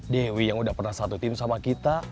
dewi yang udah pernah satu tim sama kita